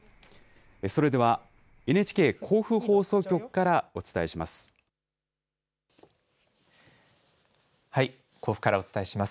それではＮＨＫ甲府放送局からお伝えします。